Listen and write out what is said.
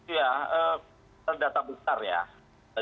iya terdata besar ya